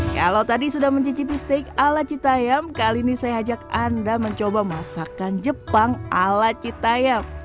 kalau tadi sudah mencicipi steak ala cita yam kali ini saya ajak anda mencoba masakan jepang ala cita yam